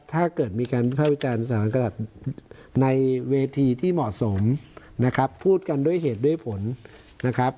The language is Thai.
ถ้าเกิดมีการวิภาควิจารณ์สถานกรัฐในเวทีที่เหมาะสมนะครับพูดกันด้วยเหตุด้วยผลนะครับ